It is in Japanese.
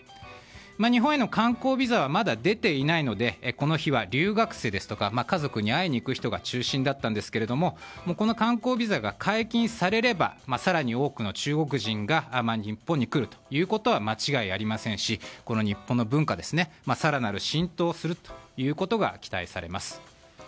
日本への観光ビザはまだ出ていないのでこの日は留学生ですとか家族に会いに行く人が中心だったんですがこの観光ビザが解禁されれば更に多くの中国人が日本に来るということは間違いありませんし日本の文化が更なる浸透をすることが期待されます。